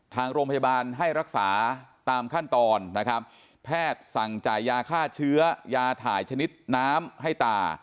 ทางโรงพยาบาลให้รักษาตามขั้นตอนนะครับแพทย์สั่งจ่ายยาฆ่าเชื้อยาถ่ายชนิดน้ำให้ตา